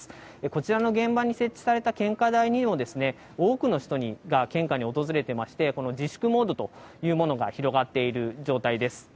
こちらの現場に設置された献花台にも、多くの人が献花に訪れてまして、この自粛ムードというものが広がっている状態です。